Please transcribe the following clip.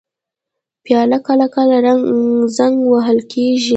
پیاله کله کله زنګ وهل کېږي.